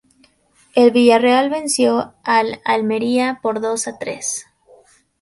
El Villarreal venció al Almería por dos a tres.